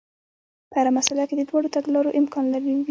په هره مسئله کې د دواړو تګلارو امکان وي.